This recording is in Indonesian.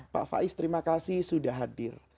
pak faiz terima kasih sudah hadir